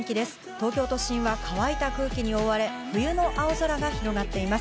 東京都心は乾いた空気に覆われ、冬の青空が広がっています。